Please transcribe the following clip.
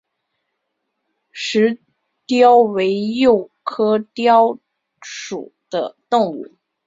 石貂为鼬科貂属的动物。